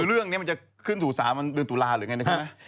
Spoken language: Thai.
คือเรื่องนี้มันจะขึ้นสู่สามมันเดินตุลาหรือไงนะครับ